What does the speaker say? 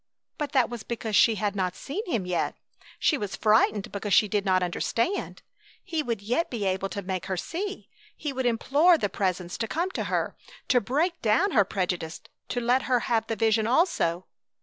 But that was because she had not seen Him yet! She was frightened because she did not understand! He would yet be able to make her see! He would implore the Presence to come to her; to break down her prejudice; to let her have the vision also!